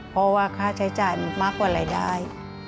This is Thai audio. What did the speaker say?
เพราะว่าค่าใช้จ่ายมันมากกว่ารายได้